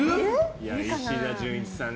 石田純一さん